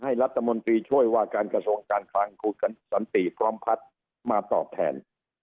รัฐมนตรีช่วยว่าการกระทรวงการคลังคุณสันติพร้อมพัฒน์มาตอบแทน